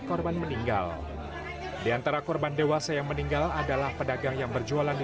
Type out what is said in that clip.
korban meninggal diantara korban dewasa yang meninggal adalah pedagang yang berjualan di